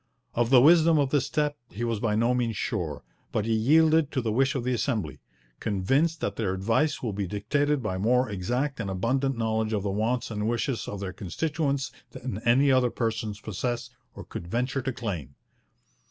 Of the wisdom of this step he was by no means sure, but he yielded to the wish of the Assembly, 'convinced that their advice will be dictated by more exact and abundant knowledge of the wants and wishes of their constituents than any other persons possess or could venture to claim.'